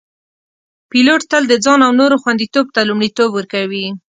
پیلوټ تل د ځان او نورو خوندیتوب ته لومړیتوب ورکوي.